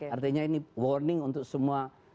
artinya ini warning untuk semua